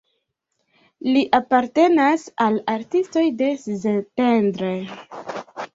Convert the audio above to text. Li apartenas al artistoj de Szentendre.